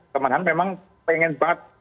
teman teman memang pengen banget